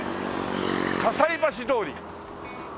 西橋通り！